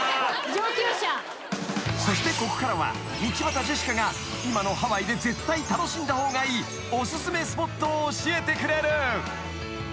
［そしてここからは道端ジェシカが今のハワイで絶対楽しんだ方がいいお薦めスポットを教えてくれる］